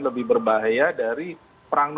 lebih berbahaya dari perang